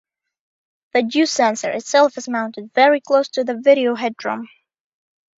The dew sensor itself is mounted very close to the video head drum.